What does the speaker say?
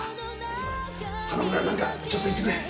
花村なんかちょっと言ってくれ。